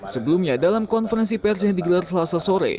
sebelumnya dalam konferensi pers yang digelar selasa sore